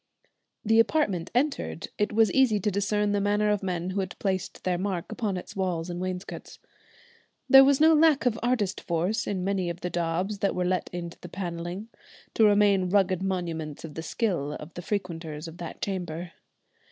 The apartment entered, it was easy to discern the manner of men who had placed their mark upon its walls and wainscots. There was no lack of artist force in many of the daubs that were let into the panelling, to remain rugged monuments of the skill of the frequenters of that chamber.